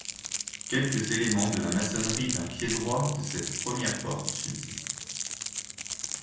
Quelques éléments de la maçonnerie d’un piédroit de cette première porte subsistent.